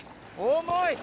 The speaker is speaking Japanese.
重い！